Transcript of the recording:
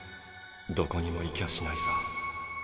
どこにも行きゃしないさ。